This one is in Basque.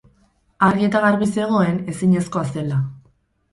Argi eta garbi zegoen ezinezkoa zela.